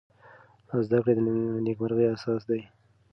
زده کړه د نېکمرغۍ اساس دی.